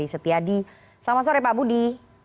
selamat sore pak budi